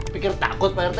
pikir takut pak rt